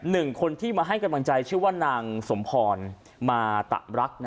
หนึ่งคนที่มาให้กำลังใจชื่อว่านางสมพรมาตะรัก